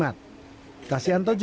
kasianto juga mencari jimat yang berbeda